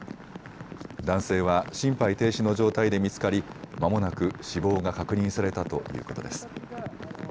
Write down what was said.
男性は心肺停止の状態で見つかりまもなく死亡が確認されたということです。